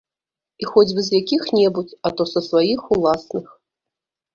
І хоць бы з якіх-небудзь, а то са сваіх уласных.